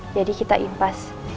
jadi kita impas